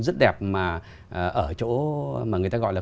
rất đẹp mà ở chỗ mà người ta gọi là